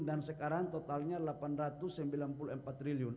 dan sekarang totalnya rp delapan ratus sembilan puluh empat triliun